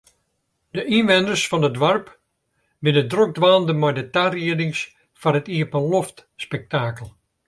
De ynwenners fan it doarp binne drok dwaande mei de tariedings foar it iepenloftspektakel.